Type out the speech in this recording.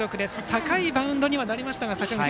高いバウンドにはなりましたが。